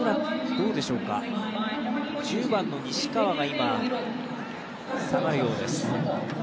１０番の西川が今、下がるようです。